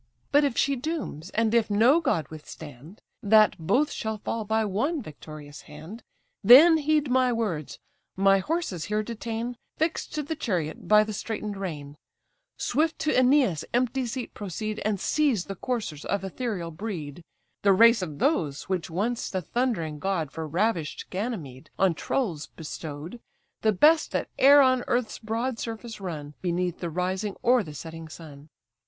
But if she dooms, and if no god withstand, That both shall fall by one victorious hand, Then heed my words: my horses here detain, Fix'd to the chariot by the straiten'd rein; Swift to Æneas' empty seat proceed, And seize the coursers of ethereal breed; The race of those, which once the thundering god For ravish'd Ganymede on Tros bestow'd, The best that e'er on earth's broad surface run, Beneath the rising or the setting sun.